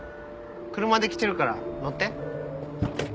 車で来てるから乗って。